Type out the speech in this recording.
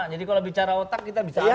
jadi kalau bicara otak kita bisa adu deh